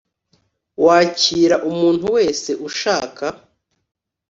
wakira umuntu wese ushaka